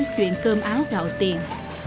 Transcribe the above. chuyện cơm áo gạo tiền